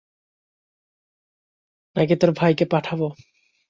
নাকি তোর ভাইকে পাঠাবে?